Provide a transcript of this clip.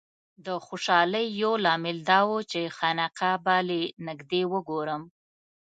د خوشالۍ یو لامل دا و چې خانقاه به له نږدې وګورم.